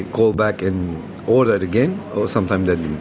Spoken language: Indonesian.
kadang kadang mereka menghubungi dan menghubungi lagi